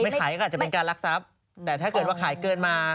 ขายก็อาจจะเป็นการรักทรัพย์แต่ถ้าเกิดว่าขายเกินมา